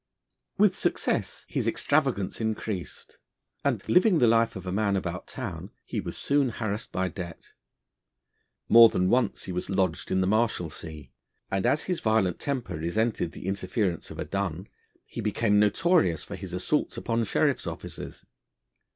With success his extravagance increased, and, living the life of a man about town, he was soon harassed by debt. More than once he was lodged in the Marshalsea, and as his violent temper resented the interference of a dun, he became notorious for his assaults upon sheriff's officers.